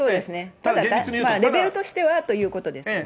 ただレベルとしてはということです。